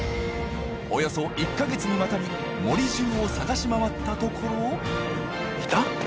およそ１か月にわたり森じゅうを探し回ったところ。